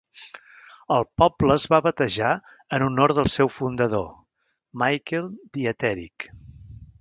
El poble es va batejar en honor del seu fundador, Michael Dieterich.